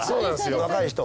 若い人は。